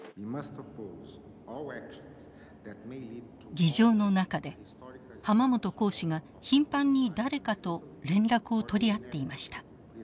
議場の中で濱本公使が頻繁に誰かと連絡を取り合っていました。